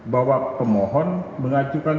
bahwa pemohon mengajukan